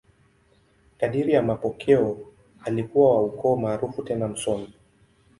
Kadiri ya mapokeo, alikuwa wa ukoo maarufu tena msomi.